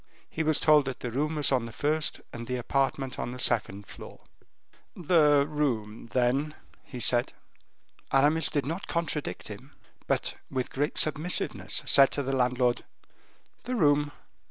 He was told that the room was on the first, and the apartment on the second floor. "The room, then," he said. Aramis did not contradict him, but, with great submissiveness, said to the landlord: "The room."